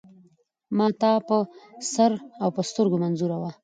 ما ته په سر اوسترګو منظور وه .